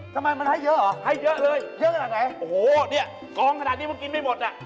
ครบโดยเป็นอดนวิดมีรขาด